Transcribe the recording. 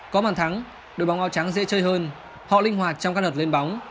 có bàn thắng đội bóng ao trắng dễ chơi hơn họ linh hoạt trong các đợt lên bóng